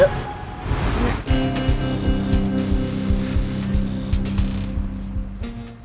yang cukup luar biasa